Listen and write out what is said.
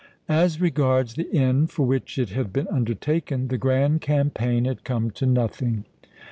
As regards the end for which it had been undertaken, the grand campaign had come to nothing.